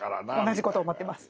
同じこと思ってます。